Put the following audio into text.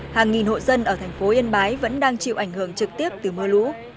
hàng nghìn hộ dân ở thành phố yên bái vẫn đang chịu ảnh hưởng trực tiếp từ mưa lũ